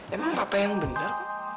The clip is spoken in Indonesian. emang papa yang bener